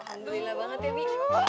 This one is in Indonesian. alhamdulillah banget ya bi